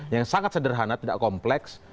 yang sangat sederhana tidak kompleks